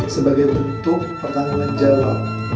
sebagai bentuk pertanyaan jawab